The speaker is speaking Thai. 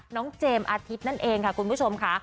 เจมส์อาทิตย์นั่นเองค่ะคุณผู้ชมค่ะ